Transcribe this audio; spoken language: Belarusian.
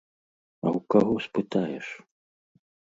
А ў каго спытаеш?